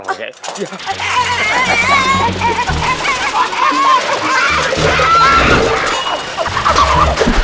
aduh aduh aduh aduh aduh aduh aduh aduh aduh